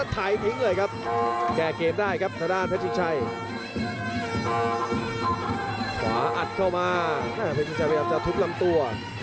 ขวาอัดเข้ามาเพชรชิงชัยพยายามจะทุบลำตัว